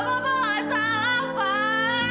bapak nggak salah pak